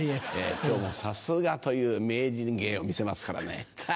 今日もさすがという名人芸を見せますからねたぁ！